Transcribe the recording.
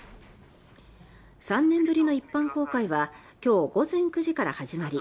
３年ぶりの一般公開は今日午前９時から始まり